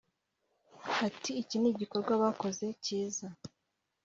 Ati “Iki ni igikorwa bakoze kiza